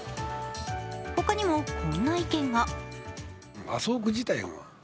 ほかにもこんな意見が。